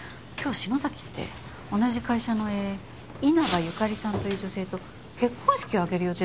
篠崎って同じ会社の稲葉由香利さんという女性と結婚式を挙げる予定だったらしいですよ。